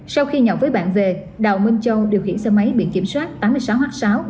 sau khi nhậu với bạn về đào minh châu điều khiển xe máy bị kiểm soát tám mươi sáu h sáu ba nghìn hai trăm năm mươi chín